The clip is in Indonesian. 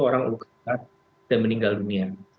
orang luka dan meninggal dunia